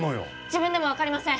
自分でも分かりません！